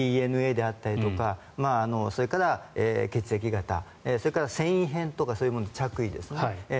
ですから、ＤＮＡであったりとかそれから血液型それから繊維片とかそういうもの、着衣ですね。